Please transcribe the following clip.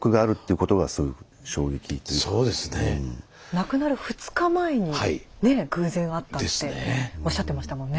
亡くなる２日前にねぇ偶然会ったっておっしゃってましたもんね。